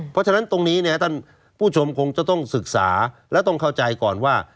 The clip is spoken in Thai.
เพราะฉะนั้นตรงนี้เนี่ยท่านผู้ชมคงจะต้องศึกษาและต้องเข้าใจก่อนว่า